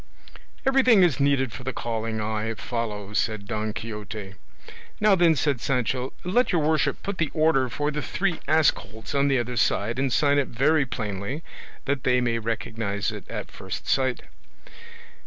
"Everything is needed for the calling I follow," said Don Quixote. "Now then," said Sancho, "let your worship put the order for the three ass colts on the other side, and sign it very plainly, that they may recognise it at first sight."